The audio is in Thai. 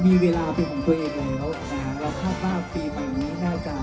มีเวลาเป็นของตัวเองแล้วนะครับแล้วข้างบ้านปีใหม่นี้หน้ากลาง